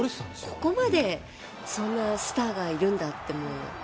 ここまでそんなスターがいるんだって。